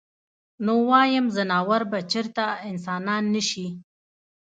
نو وايم ځناور به چرته انسانان نشي -